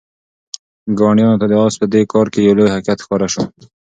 ګاونډیانو ته د آس په دې کار کې یو لوی حقیقت ښکاره شو.